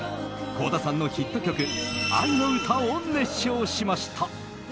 倖田さんのヒット曲「愛のうた」を熱唱しました。